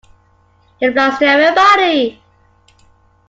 He belongs to everybody.